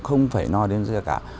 không phải no đến giá cả